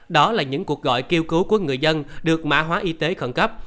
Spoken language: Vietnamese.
đó là những cuộc gọi kêu cứu của người dân được mã hóa y tế khẩn cấp